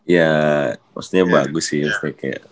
ya maksudnya bagus sih